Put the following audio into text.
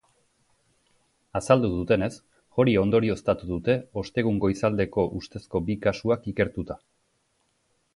Azaldu duenez, hori ondorioztatu dute ostegun goizaldeako ustezko bi kasuak ikertuta.